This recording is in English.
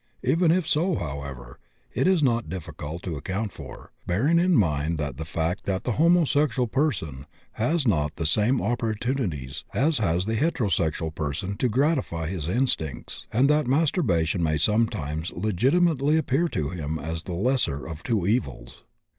Even if so, however, it is not difficult to account for, bearing in mind the fact that the homosexual person has not the same opportunities as has the heterosexual person to gratify his instincts, and that masturbation may sometimes legitimately appear to him as the lesser of two evils.